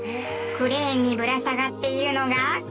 クレーンにぶら下がっているのが。